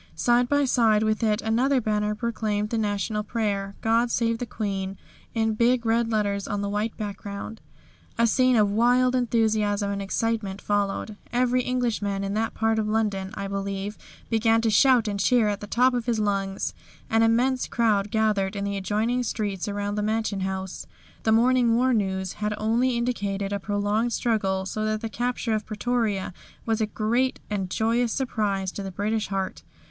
Side by side with it another banner proclaimed the National prayer, "God Save the Queen," in big red letters on the white background. A scene of wild enthusiasm and excitement followed. Every Englishman in that part of London, I believe, began to shout and cheer at the top of his lungs. An immense crowd gathered in the adjoining streets around the Mansion House. The morning war news had only indicated a prolonged struggle, so that the capture of Pretoria was a great and joyous surprise to the British heart.